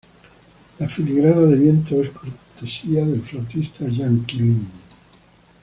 La filigrana de viento es cortesía del flautista Jan Kling.